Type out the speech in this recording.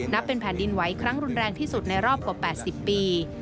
เป็นแผ่นดินไหวครั้งรุนแรงที่สุดในรอบกว่า๘๐ปี